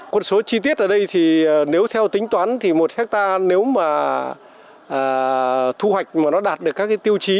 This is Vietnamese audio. con số chi tiết ở đây thì nếu theo tính toán thì một hectare nếu mà thu hoạch mà nó đạt được các cái tiêu chí